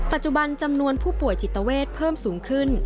ปัจจุบันจำนวนผู้ป่วยจิตเวทเพิ่มสูงขึ้น